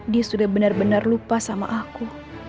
dia sudah benar benar lupa sama aku